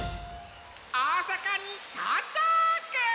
おおさかにとうちゃく！